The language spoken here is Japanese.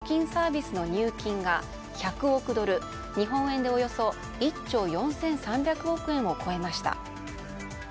アップルが４月に始めた預金サービスの入金が１００億ドル日本円で、およそ１兆４３００億円を超えました。